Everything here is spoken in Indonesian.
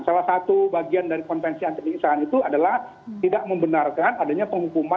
salah satu bagian dari konvensi anti penyiksaan itu adalah tidak membenarkan adanya penghukuman